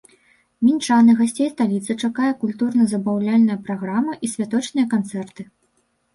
Мінчан і гасцей сталіцы чакае культурна-забаўляльная праграма і святочныя канцэрты.